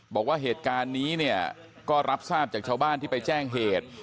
บอกว่าเหตุการณ์นี้เนี่ยก็รับทราบจากชาวบ้านที่ไปแจ้งเหตุ